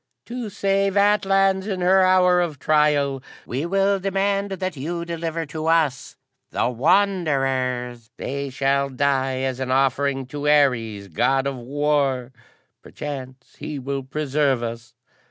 "To save Atlans in her hour of trial, we demand that ye deliver to us the Wanderers. They shall die as an offering to Ares, God of War. Perchance he will preserve us."